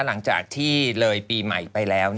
หลังจากที่เลยปีใหม่ไปแล้ว